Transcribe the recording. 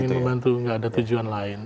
iya ingin membantu enggak ada tujuan lain